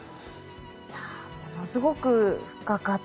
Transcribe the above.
いやものすごく深かったですね。